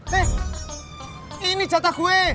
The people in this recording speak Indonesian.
hei ini jatah gue